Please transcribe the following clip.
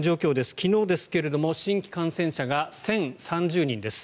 昨日ですが新規感染者が１０３０人です。